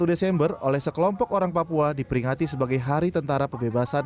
satu desember oleh sekelompok orang papua diperingati sebagai hari tentara pebebasan